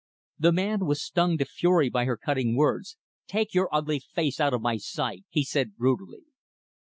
The man was stung to fury by her cutting words. "Take your ugly face out of my sight," he said brutally.